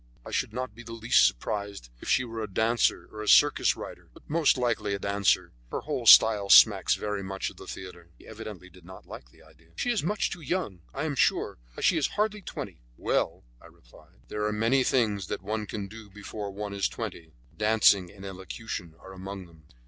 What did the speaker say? I should not be the least surprised if she were a dancer or a circus rider, but most likely a dancer. Her whole style smacks very much of the theatre." He evidently did not like the idea. "She is much too young, I am sure; why, she is hardly twenty." "Well," I replied, "there are many things which one can do before one is twenty; dancing and elocution are among them."